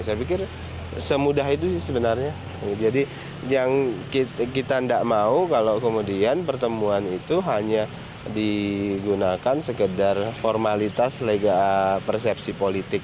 saya pikir semudah itu sebenarnya jadi yang kita tidak mau kalau kemudian pertemuan itu hanya digunakan sekedar formalitas lega persepsi politik